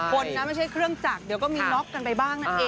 คนนะไม่ใช่เครื่องจักรเดี๋ยวก็มีน็อกกันไปบ้างนั่นเอง